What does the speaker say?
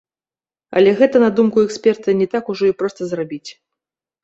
Але гэта, на думку эксперта, не так ужо і проста зрабіць.